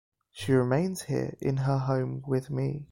She remains here, in her home with me.